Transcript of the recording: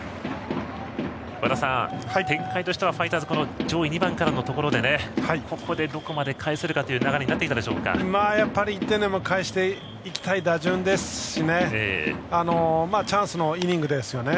和田さん、展開としてはファイターズは上位２番からのところでここでどこまで返せるかという１点でも返していきたい打順ですしね。